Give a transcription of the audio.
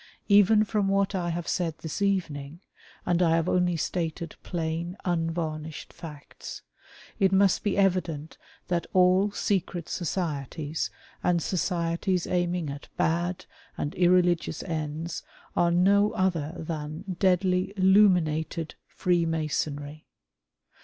Even from what I have said this evening — and I have only stated plain, unvarnished facts — it must be evident that all secret societies and societies aiming at bad and irreligious ends are no other than deadly Illuminated Freemasonry.